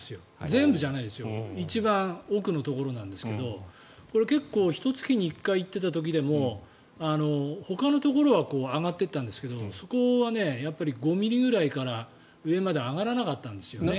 全部じゃないですよ一番奥のところなんですがこれ、結構ひと月に１回行っていた時でもほかのところは上がってったんですけどそこは５ｍｍぐらいから上まで上がらなかったんですよね。